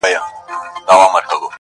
o خواره مي غوښتې، نو نه د لالا د مرگه٫